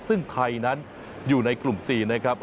ซึ่งไทยนั้นอยู่ในกลุ่ม๔นะครับ